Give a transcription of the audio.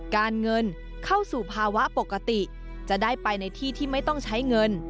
การเงินเข้าสู่ภาวะปกติจะได้ไปในที่ที่ไม่ต้องใช้เงิน